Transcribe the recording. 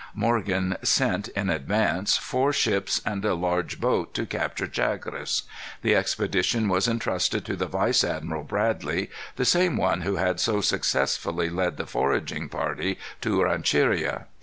Morgan sent, in advance, four ships and a large boat to capture Chagres. The expedition was intrusted to the vice admiral Bradley, the same one who had so successfully led the foraging party to Rancheria.